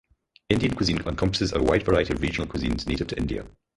Indian cuisine encompasses a wide variety of regional cuisines native to India.